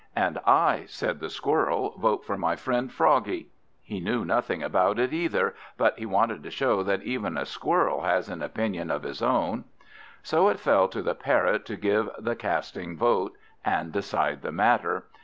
"And I," said the Squirrel, "vote for my friend Froggie." He knew nothing about it either, but he wanted to show that even a Squirrel has an opinion of his own. So it fell to the Parrot to give the casting vote, and decide the matter.